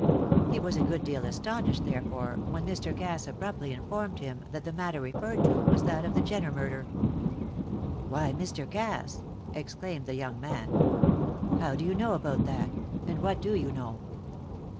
He was a good deal astonished, therefore, when Mr. Cass abruptly informed him that the matter referred to was that of the Jenner murder. "Why, Mr. Cass!" exclaimed the young man. "How do you know about that? And what do you know?"